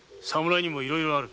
侍にもいろいろある。